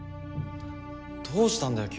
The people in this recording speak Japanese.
どうしたんだよ？